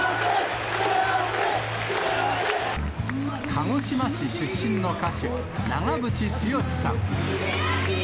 鹿児島市出身の歌手、長渕剛さん。